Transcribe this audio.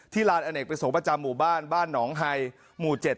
ที่ร่านอเด็กประสงค์ประจำหมู่บ้าน๒บ้านหนองแฮย